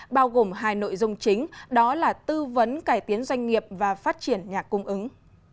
bao gồm hai nội dung chính đó là tư vấn cải tiến doanh nghiệp và phát triển nhà cung ứng